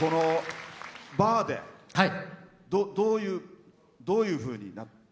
バーでどういうふうに。